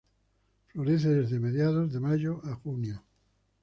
Florece desde mediados de mayo a julio.